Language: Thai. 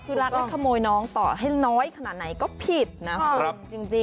คือรักและขโมยน้องต่อให้น้อยขนาดไหนก็ผิดนะคุณจริง